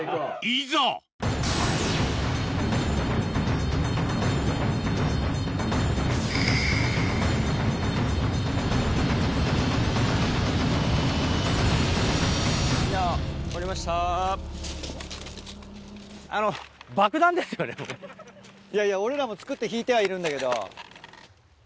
いやいや俺らも作って引いてはいるんだけど。